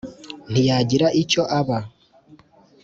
ntiyagira icyo aba